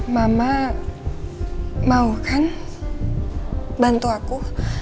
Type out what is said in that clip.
mama mau kan bantu aku